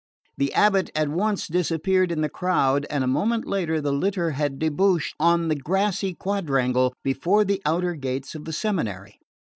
The abate at once disappeared in the crowd, and a moment later the litter had debouched on the grassy quadrangle before the outer gates of the monastery.